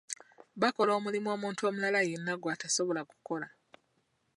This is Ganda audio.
Bakola omulimu omuntu omulala yenna gw'atasobola kukola.